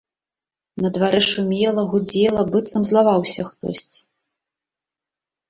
На дварэ шумела, гудзела, быццам злаваўся хтосьці.